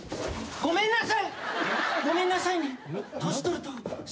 ごめんなさい。